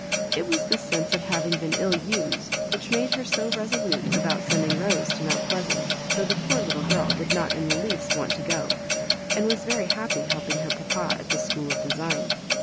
It was this sense of having been ill«used which made her so resolute about sending Boee to Mount Pleasant, though the poor little girl did not in the least want to go, and was very happy helping her papa at the School of Design.